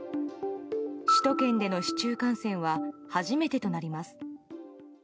首都圏での市中感染は初めてとなります。